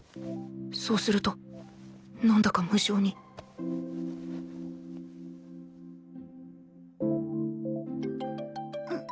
そうするとなんだか無性にん？